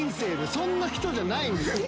そんな人じゃないんです。